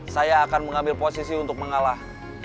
saya akan mengambil posisi untuk mengalah